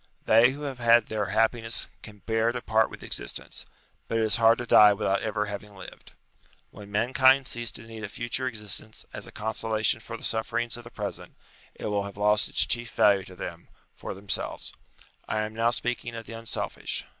They who have had their happiness can bear to part with existence: but it is hard to die without ever I/A/ C having lived. When mankind cease to need a future existence as a consolation for the sufferings of the present, it will have lost its chief value to them, for themselves. I am now speaking of the unselfish.